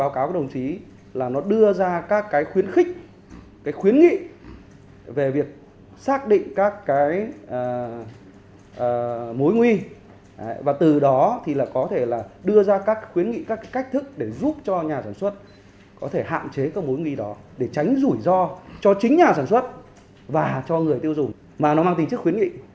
có thể hạn chế các mối nghi đó để tránh rủi ro cho chính nhà sản xuất và cho người tiêu dùng mà nó mang tình chức khuyến nghị